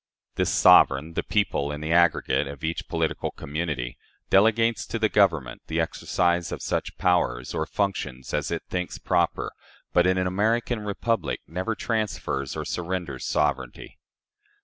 This sovereign the people, in the aggregate, of each political community delegates to the government the exercise of such powers, or functions, as it thinks proper, but in an American republic never transfers or surrenders sovereignty.